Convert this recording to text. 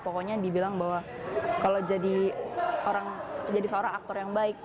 pokoknya dibilang bahwa kalau jadi seorang aktor yang baik